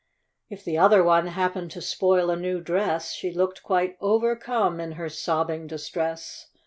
If the other one happened to spoil a new dress, She looked quite overcome in her sobbing distress.